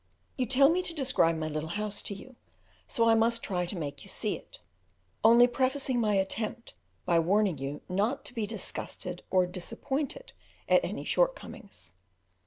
You tell me to describe my little house to you, so I must try to make you see it, only prefacing my attempt by warning you not to be disgusted or disappointed at any shortcomings.